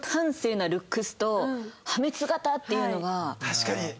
確かに。